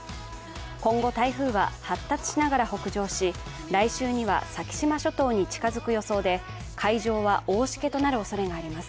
今後、台風は発達しながら北上し、来週には先島諸島に近づく予想で海上は大しけとなるおそれがあります。